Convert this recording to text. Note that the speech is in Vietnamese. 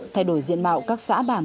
thay đổi diện mạo các xã vàng